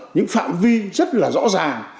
những phạm vi rất là rõ ràng